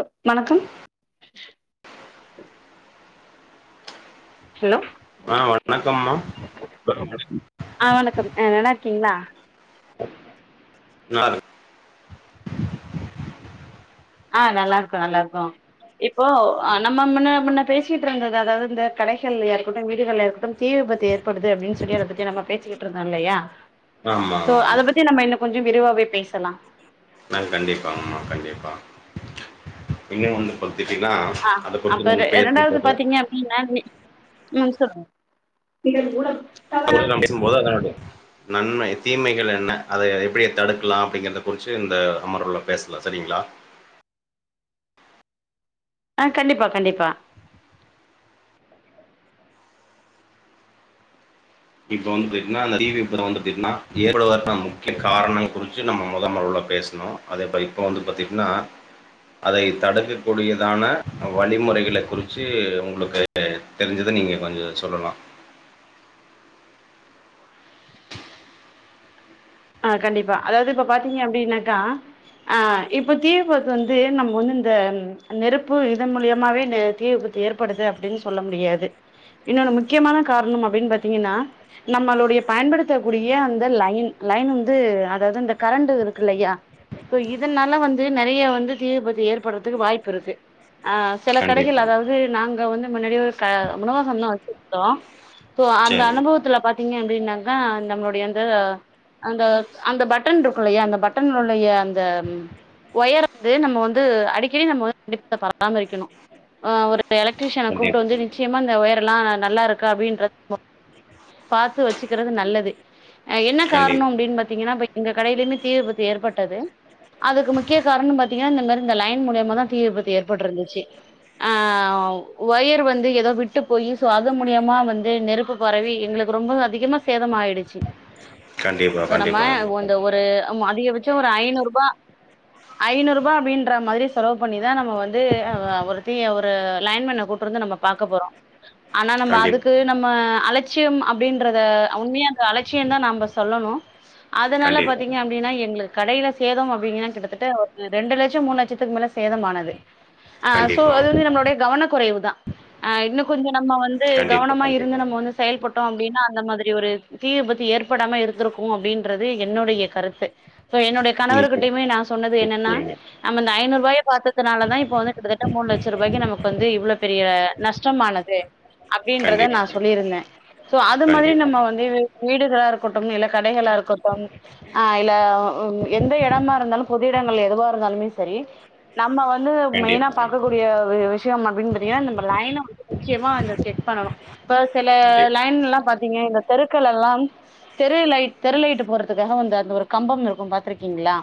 அஹ் வணக்கம் ஹலோ ஆ வணக்கம்மா ஆஹ் வணக்கம் நல்லா ங்களா ஆஹ் உம் ஆஹ் நல்லா இருக்கோம் நல்லா இருக்கோம் இப்போ இருக்க நம்ம முன்ன முன்ன பேசிக்கிட்டு இருந்தது அதாவது இந்த கடைகள் இருக்கட்டும் வீடுகள் இருக்கட்டும் தீ விபத்து ஏற்படுது அப்படின்னு சொல்லி அத பத்தி நம்ம பேசிக்கிட்டு இருந்தோம் இல்லையா ஆமா சோ அத பத்தி நம்ம இன்னும் கொஞ்சம் விரிவாவே பேசலாம் ந கண்டிப்பா ஆமா கண்டிப்பா இன்னும் வந்து பாத்துட்டீங்கன்னா ஆஹ் அத குறிச்சு அப்ப நம்ம இரண்டாவது பேசும்போது பாத்தீங்க அப்படின்னா உம் இ கூட அது பத்தி நான் பேசும் போத அதன நன்மை தீமைகள் என்ன அதை எப்படிய தடுக்கலாம் அப்படிங்கறத குறிச்ச இந்த அமர்வுல பேசலாம் ஆஹ் கண்டிப்பா கண்டிப்பா இப்ப வந்து பாத்தீங்கன்னா அந்த தீர்ப்பு வந்து பாத்தீங்கன்னா ஏற்பாடு வரற முக்கிய காரணம் குறிச்சு நம்ம முத முறவுல பேசணும் அதே இப்ப வந்து பாத்தீங்கன்னா அதை தடுக்கக்கூடியதான வழிமுறைகளை குறிச்சு உங்களுக்கு தெரிஞ்சத நீங்க கொஞ்சம் சொல்லலாம் அஹ் கண்டிப்பா அதாவது இப்ப பாத்தீங்க அப்படின்னாக்கா ஆஹ் இப்ப தீ விபத்து வந்து நம்ம வந்து இந்த நெருப்பு இதன் மூலியமாவே தீ விபத்து ஏற்படுது அப்படின்னு சொல்ல முடியாது இன்னொன்னு முக்கியமான காரணம் அப்படின்னு பாத்தீங்கன்னா நம்மளுடைய பயன்படுத்தக்கூடிய அந்த லைன் லைன் வந்து அதாவது இந்த கரண்ட் இருக்கு இல்லையா சோ இதனால வந்து நெறைய வந்து தீ விபத்து ஏற்படுறதுக்கு வாய்ப்பு இருக்கு ஆஹ் சில கடைகள் கண்டிப்பா அதாவது நாங்க வந்து முன்னாடிய ஒரு க உணவகம் தான் வச்சிருதோம் சோ அந்த சரிங்க அனுபவத்துல பாத்த நீங்க அப்படின்னாக்கா நம்மளுடைய வந்து அந்த அந்த பட்டன் இருக்கும் இல்லையா அந்த பட்டன்டைய அந்த ஒயர் வந்து நம்ம வந்து அடிக்கடி நம்ம வந்து கண்டிப்பா அதை பராமரிக்கணும் ஆஹ் ஒரு எலக்ட்ரீஷியன கூப்பிட்டு வந்து கண்டிப்பா, நிச்சயமா இந்த ஒயர் எல்லாம் நல்லா இருக்கு அப்படின்றது பாத்து வச்சுக்கிறது நல்லது ஏன்னா காரணம் கண்டிப்பா, அப்படின்னு பாத்தீங்கன்னா இப்ப எங்க கடையிலயுமே தீ விபத்து ஏற்பட்டது அதுக்கு முக்கிய காரணம் பாத்தீங்கன்னா இந்த மாதிரி இந்த லைன் மூலியமா தான் தீ விபத்து ஏற்பட்டுருந்துச்சு ஆஹ் ஒயர் வந்து ஏதோ விட்டு போய் சோ அது மூலியமா வந்து நெருப்பு பரவி எங்களுக்கு ரொம்ப அதிகமா சேதம் ஆயிடுச்சு கண்டிப்பா, சோ கண்டிப்பாங்க, நம்ம ஒரு அதிக பட்சம் ஒரு ஐநூறு ரூபாய் ஐநூறு ரூபாய் அப்படின்ற மாதிரி செலவு பண்ணிதான் நம்ம வந்து ஒருத் தீய ஒரு லைன்மேன் கூப்ட் வந்து நம்ம பாக்க போறோம் ஆனா கண்டிப்பா, நம்ம கண்டிப் அதுக்கு நம்ம அலட்சியம் அப்படின்றத உண்மைய அந்த அலட்சியம் தான் நாம சொல்லணும் அதனால கண்டிப்பா, பாத்தீங்க அப்படின்னா எங்களு கடையில சேதம் அப்படிங்கன்னா கிட்டத்தட்ட ஒரு ரெண்டு லட்சம் மூணு லட்சத்துக்கு மேல சேதம்மானது ஆஹ் சோ அது கண்டிப்பாங்க, வந்து நம்மளுடைய கவன குறைவுது தான் ஆஹ் இன்னும் கொஞ்சம் நம்ம வந்து கண்டிப்பா, கவனமா இருந்து கண்டிப்பாங்க. நம்ம வந்து செயல்பட்டோம் அப்படின்னா அந்த மாதிரி ஒரு தீ விபத்து ஏற்ப ப்படாம இருந்திருக்கும் அப்படின்றது என்னுடைய கருத்து இப்ப என்னுடைய கணவர் நிச்சயமா, கிட்டையுமே நான் சொன்னது என்னன்னா நிச்சயமா. நம ஐநூ ரூபாய பாத்ததனால தா இப்ப வந்து கிட்டத்தட்ட மூணு லட்ச ரூபாய் நமக்கு வந்து் பெரிய நஷ்டமானது அப்படின்றத நான் கண்டிப்பாங்க, சொல்லிருந்தேன் சோ அது மாதிரி நம்ம கண்டிப்பாங்க, வந்து வீடுகள கடைகளா இருக்கட்டும் ஆஹ் இல்ல எந்த எடமா இருந்தாலும் பொது இடங்கள் எதுவா இருந்தாலுமே செரி நம்ம வந்து மெய்னா கண்டிப்பாங்க, பாக்கக்கூடிய விஷயம் அப்படின்னு பாத்தீர்கனா வந்து நிச்சயமா செக் பண்ணணும் இப்ப சில கண்டிப்பா, லைன் எல்லாம் பாத்தீங்க இந்த தெருக்கள் எல்லாம் தெரு லைட் தெரு லைட்டு போறதுக்காக வந்து அந்த ஒரு கம்பம் இருக்கும் பாத்திருக்கீங்களா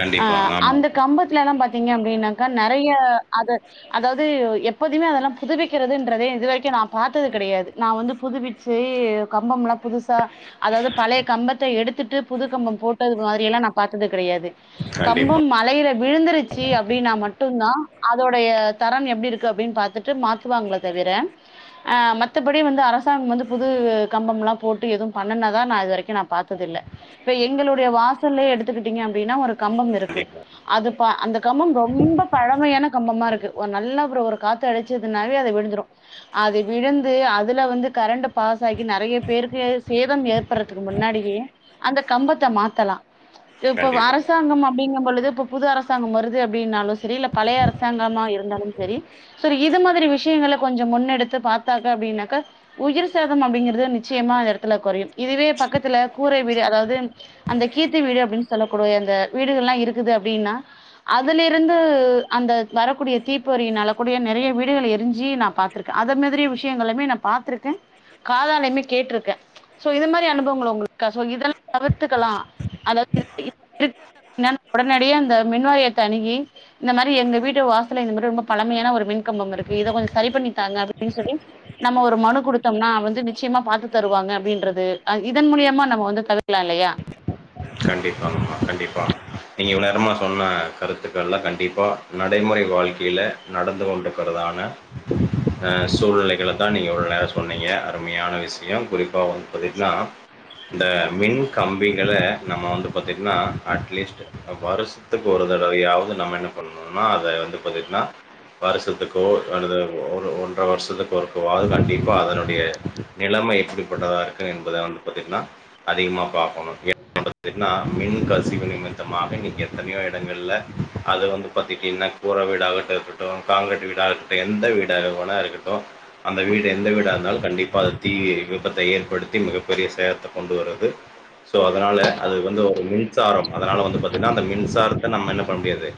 கண்டிப்பா, ஆஹ் அந்த ஆமாங்க. கம்ப ல பாத்தீங்க அப்படின்னாக்கா நெறைய அது அதாவது எப்போதுமே அதெல்லாம் புதுவிக்கிறதுன்றதே இது வரைக்கும் நான் பாத்தது கிடையாது நான் வந்து புதுவிச்சு கம்பம் எல்லாம் புதுசா அதாவது பழைய கம்பத்த எடுத்துட்டு புது கம்பம் போட்டது மாதிரி எல்லாம் நான் பாத்தது கிடையாது கண்டிப்பா, கம்பம் மலையில விழுந்திருச்சி அப்படின்னா மட்டும் தான் அதோடைய தரம் எப்படி இருக்கு அப்படின்னு பாத்துட்டு மாத்துவாங்க தவிர ஆஹ மத்தபடி வந்து அரசாங்கம் வந்து புது கம்பம் எல்லாம் போட்டு எதுவும் பண்ண இது வர நா பாத்தது இல்ல இப்ப எங்களுடைய வாசல்ல எடுத்துக்கிட்டிங்க அப்படினாஒரு கம்பம் இருக்கு கண்டிப்பா, அந்தகம்பம் ரொம்ப பழமையான கம்பமா இருக்குல்ல காத்து அடைச்சதுனே விழுந்துரும் அது விழுந்து அதுல வந்து கரண்டு பாஸாகி நெறைய பேருக்கு சேதம் ஏற் அருக்குரதுக்கு முன்னாடிேயே அந்த கம்பத்தை மாத்தலாம் இப்ப கண்டிப்பா. அரசாங்கம் அப்படிங்கும் பொழுது இப்ப புது அரசாங்கம் வருது அப்படின்னாலும் செரி இல்ல பழைய அரசாங்கமா இருந்தாலும் சரி இது மாதிரி விஷயங்கள கொஞ்சோ முன்னெடுத்து பாத்தாக்க அப்படின்னாக்கா உயிர் சேதம் அப்படிங்கறது நிச்சயமா அந்த எடத்துல குறையும் இதுவே பக்கத்துல கூரை வீடு அதாவது அந்த கீத்து வீடு அப்படின்னு சொல்லக்கூடிய அந்த வீடுகள் எல்லாம் இருக்குது அப்படின்னா அதுல இருந்து அந்த வரக்கூடிய தீப்பொறினலக்கூடிய நிறைய வீடுகள் எரிஞ்சி நான் பாத்திருக்கேன் அத மாதிரியி விஷயங்களுமே நான் பாத்திருக்கேன் காதாலையுமே கேட்டிருக்கேன் சோ இத மாதிரி அனுபவங்கள உங்களுக்கு இருக்க இதெல்லாம் தவிர்த்துக்கலாம் அதாவது இப்படி இருக்கு அப்படின்னா உடனடிய அந்த மின்வாரியை தணுகி இந்த மாதிரி எங்க வீட்டு வாசல இந்த மாதிரி ரொம்ப பழமையான ஒரு மின்கம்பம் இருக்கு இதை கொஞ்சம் சரி பண்ணித்தாங்க அப்படின்னு சொல்லி நம்ம ஒரு மனு கொடுத்தோம்னா வந்து நிச்சயமா பாத்து தருவாங்க அப்படின்றது இதன் மூலியமா நம்ம வந்து தவிரலாம் இல்லையா கண்டிப்பாகம்மா கண்டிப்பாக நீங்கள் இவ்வளோ நேரம்மா சொன்ன கருத்துக்கள்லாம் கண்டிப்பாக நடைமுறை வாழ்க்கையில் நடந்து கொண்டிருக்கிறதான சூழ்நிலைகளை தான் நீங்கள் இவ்ளோ நேரம் சொன்னீங்க அருமையான விஷயம் குறிப் பா வந்து பாத்தீங்கன்னா இந்த மின் கம்பிகள நம்ம வந்து பாத்திங்கன்னா அட்லீஸ்ட் வருஷத்துக்கு ஒரு தடவையாவது நம்ம என்ன பண்ணணுனா அத வந்து பாத்தீங்கன்னா வருஷத்துக்கோ அது ஒரு ஒன்றரை வருஷத்துக்கு ஒருக்கவாவது கண்டிப்பா அதனுடைய நிலமை எப்படிப்பட்டதாக இருக்குது என்பத வந்து பாத்திங்கன்னா அதிகமாக பார்க்கணு ன்னா மின் கசிவு நிமித்தமாக நீங்க எதனயோ இடங்கள்ல அது வந்து பார்த்தீட்டீங்கன்னா கூற வீடாகட்டும் இருக்கட்டும் காங்க்கிரீட் வீடாக இருக்கட்டும் எந்த வீடாக வேனா இருக்கட்டும் அந்த வீடு எந்த வீடாக இருந்தாலும் கண்டிப்பாக அது தீ விப்பத்த ஏற்படுத்தி மிகப்பெரிய சேத்தத கொண்டு வருது ஸோ அதனால அது வந்து ஒரு மின்சாரம் அதனால வந்து பாத்தீங்கன்னா அந்த மின்சாரத்த நம்ம என்ன பண்ண முடியாது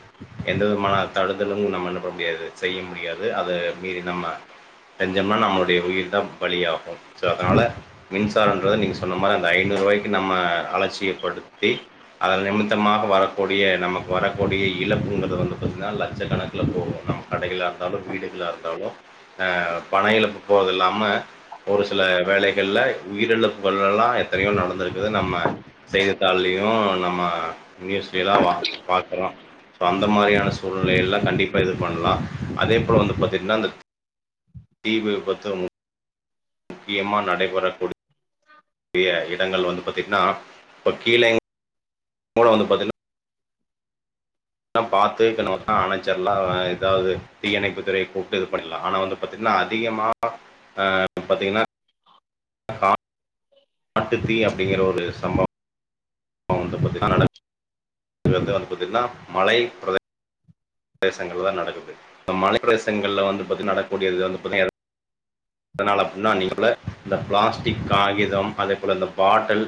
எந்த விதமான தடுதலும் நம்ம என்ன பண்ண முடியாது செய்ய முடியாது அதை மீறி நம்ம எந்த இதம்னா நம்மடைய உயிர தான் வழியாகும் ஸோ அதனால் மின்சாரம்ன்றத நீங்க சொன்ன மாரி அந்த ஐனுறுருவாய்க்கு நம்ம அலட்சியப்படுத்தி அத நிமித்தமா வரக்கூடிய நமக்கு வரக்கூடிய இழப்பு லட்சக்கணக்கில போவோம் நம்ப கடைல இருந்தாலும் வீடுகளாக இருந்தாலும் பணயிலப்பு தேவ இல்லாம ஒரு சில வேலைகள்ல உயிரிழப்புகள் எல்லாம் எத் தனையோ நடந்திருக்குது நம்ம செய்தித்தாளையும் உம் நம்ம நியூஸ்லல்ல பார்கறோம் அந்த மாதிரியான சூழ்நிலை எல்லாம் கண்டிப்பா இது பண்ணலாம் அதே போல வந்து பாத்தீங்கன்னா இந்த தீ விபத்து முக்கியமா நடைபெறக்கூடியடிய இடங்கள் வந்து பார்த்தீங்கன்னா இப்போ கீழே மூல வந்து பாத்தீங்கன்னா பார்த்துண அணைச்சர்லாம் அதனால ஏதாவது தீயணைப்புத்துறை போட்டு இது பண்ணலாம் ஆன வந்து பாத்தீங்கன்னா அது அதிகமாஹ பாத்தீங்கன்னா கா காட்டு தீ அப்படிங்கற ஒரு சம்பவம் ஆது வந்து பாத்திங்கான இது வந்து பாத்தீங்கன்னா மழை பிர பிரதேசங்கள்ல தான் நடக்குது இந்த மலை பிரதேங்கள்ல வந்து பத்தி நடக்கூடியது வந்து பாத்தீங்க அதனால அப்படின்னா நீ போ இந்த பிளாஸ்டிக் காகிதம் அதே போல இந்த பாட்டில்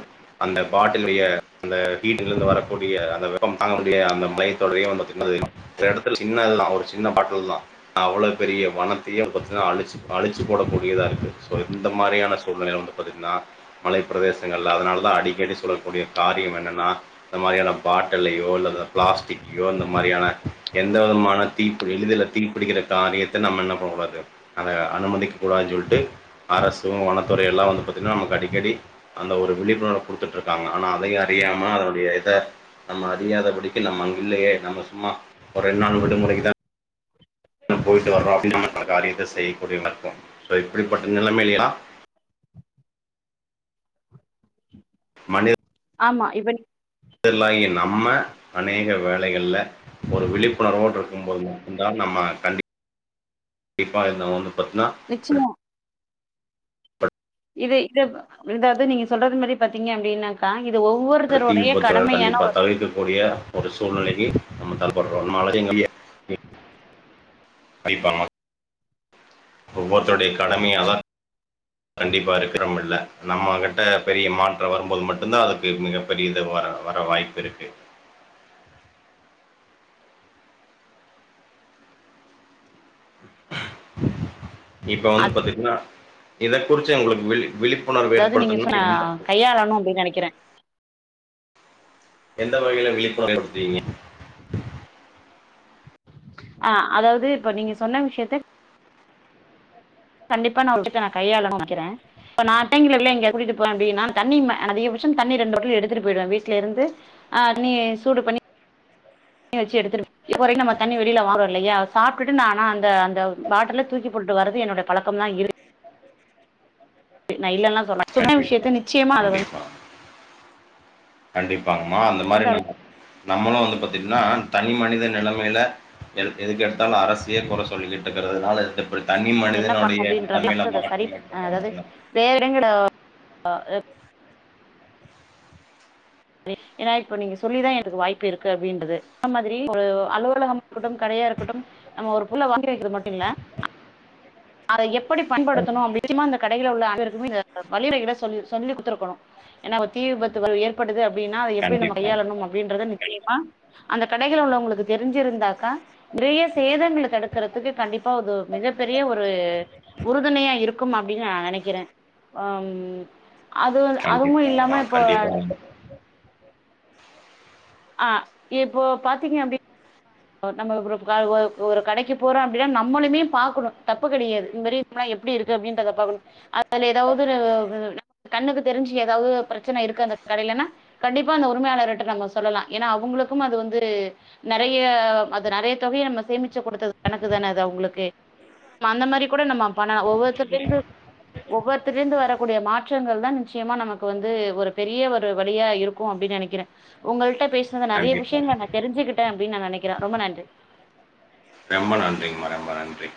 அந்த பாட்டிலுடைய அந்த வீட்டுல இருந்து வரக்கூடிய அந்த வெப்பம் தாங்கக்கூடிய அந்த மைத்த தொடரையும் வந்துின்னது இடத்துல சின்னதுல்லான் ஒரு சின்ன பாட்டல தான் அவ்வளவு பெரிய வனத்தையும் அழச்சு அழிச்சுடும் போடக்கூடியதாக இருக்கு ஸோ இந்த மாரியான சூழ்நிலை வந்து பார்த்தீங்கன்னா மலைப் பிரதேசங்கள் அதனால தான் அடிக்கடி சொல்லக்கூடிய காரியம் என்னன்னா இந்த மாதிரியான பாட்டலையோ இல்ல பிளாஸ்டிக்கையோ இந்த மாதிரியான எந்த விதமான தீப்ப எளிதில் தீப்பிடிக்கிற காரியத்தை நம்ம என்ன பண்ணக்க கூடாது அத அனுமதிக்க கூடாதுனு சொல்லிட்டு அரசும் வனத்துறை எல்லாம் வந்து பார்த்தீங்கன்னா நமக்கு அடிக்கடி அந்த ஒரு விழிப்புணர்வ கொடுத்துட்டுருக்கு இருக்காங்க ஆனா அதையும் அறியாம அதனுடைய இத நம்ம அறியாத படிக்க நம்ம அங்க இல்லையே நம்ம சும்மா ஒரு ரெண்டு நாள் விடுமுறைக்குதான போயிவிட்டு வர்றோ அப்டினா நமக்களுக்கு அதுக்கான காரியத்த செய்யக்கூடியவி்கம் சோ இப்படிப்பட்ட நிலம்மையுலையும் மணித ஆமா இப்படி மனிதலாகிய நம்ம அநேக வேலைகளல ஒரு விழிப்புணர்வோடு இருக்கும் போது மட்டும்தான் நம்ம கண்டி கண்டிப்பாக இந்த ஒன்னு பத்தணா நிச்சயமா குக் இது இத ஏதாவது நீங்க சொல்றது மாதிரி பாத்தீங்க அப்படின்னாக்கா தீ விபத்துகள் கண்டிப்பா தவிர்க்கக்க கூடிய ஒரு சூழ்நிலைக்கு நாமம் தல்லப்படுரோம் அது மாரி ஒவ்வொருத்தருடைய கடமையாதான் கண்டிப்பா இருக்கிறோம இல நம்ம கிட்ட பெரிய மாற்றம் வரும்போது மட்டும்தான் அதுக்கு மிகப்பெரியது வர வர வாய்ப்பு இருக்கு இப்ப வந்து பாத்தீங்கன்னா இதை குறிச்சு உங்களுக்கு விழி விழிப்பு அதாவது நீங்க சொன்ன கையாளணும் அப்டின்னு நெனைக்கிறேன் எந்த வகையில விழிப்புணர்வு ஏற்படுத்துறிங்க அஹ் அதாவது இப்ப நீங்க சொன்ன விஷயத்த கண்டிப்பா நான் ஒரு விஷயத்த நான் கையாளனும் நெனைக்கிறேன் இப்போான்ட்டங்கல எங்க கூட்டிட்டு போவேன்ப்படின்னா தண்ணி அதிகபட்சம் தண்ணி ரெண்டு வட்டலும் எடுத்துட்டு போயிடுவேன் வீட்டுல இருந்துஹ் தண்ணி சூடு பண்ணி தண்ணி வச்சு எடுத்துட்டு இப்பவரைகும் நம்ம தண்ணி வெளியில வாங்கறோம் இல்லையா சாப்பிட்டு நான்னா அந்த அந்த பாட்டில்ல தூக்கி போட்டு வர்து என்னோட பழக்கமா தான் இருக் ந இல்லல்லாம் சொல்ல சொன்ன கண்டிப்பா, விஷயத்த நிச்சயமாக அத வந்து கண்டிப் ப்பிங்கமா அந்த மாரி வந்து ந அத நம்மளும் வந்து பார்த்தீங்கன்னா தனி மனித நெலமைல எ எதுக்கு எடுத்தாலும் அரசயே குறை சொல்லிக்கிட்டு இருக்கிறதுனால தனி என்ன பண்ணும் மனிதனுடைய நிலைமையில அப்படின்ற சரி மாற்றம் ஏற்பட்டா அதாவது மட்டும்தான் வே இடங்கட ஆ ஏன்னா இப்ப நீங்க சொல்லிதான் எனக்கு வாய்ப்பு இருக்கு அப்படின்றது அ மாதிரி ஒரு அலுவலகமா இருக்கட்டும் கடையா இருக்கட்டும் நம்ம ஒரு புள்ள வாங்கி வைக்கிறது மட்டும் இல்ல அதை எப்படி பயன்படுத்தணும் அப்படிமா அ கடைகில உள்ள அனைருக்குமே இந்த விறைகளை சொல்லி சொல்லி குத்துருக்கணும் ஏன்னா தீ விபத்து ஏற் அப்படின்னாது எப்படி நம்ம கண்டிப்பா, கையாளணும் அப்படின்றது நிச்சயமா அந்த கடைகள் உள்ளவங்களுக்கு தெரிஞ்சிருந்தாக்கா நிறைய சேதங்களை தடுக்கறிறதுக்கு கண்டிப்பா மிகப்பெரிய ஒரு உறுதுணையா இருக்கும் அப்படின்னு ந நெனைக்கிறேன் அது அதுவும் ஆ கண்டிப்பா ஆஹ் இப்போ பாத்தீங்க அப்படின்னாம்ம நம்ம ஒரு கடைக்கு போறம் அப்படின்னா நம்மளுமே பாக்கணும் தப்பு கிடையாது இந்தமாரி நம்ம எப்படி இருக்கு அப்படின்றத பாக்கணும் அதுல ஏதாவது கண்ணுக்கு தெரிஞ்சு ஏதாவது பிரச்சனை இருக்கு அந்த கடையிலன்னா கண்டிப்பா அந்த உரிமையாளர்ட்ட நம்ம சொல் சொல்லலாம் ஏன்னா அவுங்களுக்கும் அது வந்து நறைய அது நறைய தொகையை நம்ம சேமிச்சு கொடுத்தது கணக்கு தான அது அவுங்களுக்கு அந்த மாரி கூட நம்ம பண்ணாம் ஒவ்வொருத்தந்து ஒவ்வொருத்தல இருந்து வரக்கூடிய மாற்றங்கள் தான் நிச்சயமா நமக்கு வந்து ஒரு பெரிய ஒரு வழியா இருக்கும் அப்டின்னு நெனைக்கிறேன் உங்கள்ட்ட பேசுனது நறைய கண்டிப்பா. விஷயங்கள் நான் தெரி்சுக்கிட்டேன் அப்டினு நான் நெனைக்கிறேன் ரொம்ப நன்றி ரொம்ப நன்றிங்கமா ரொம்ப நன்றி